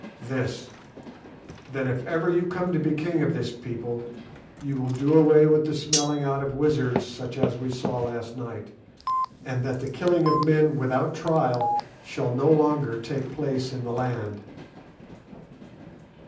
"This: that if ever you come to be king of this people you will do away with the smelling out of wizards such as we saw last night; and that the killing of men without trial shall no longer take place in the land."